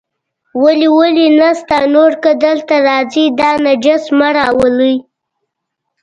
ولې ولې نشته، نور که دلته راځئ، دا نجس مه راولئ.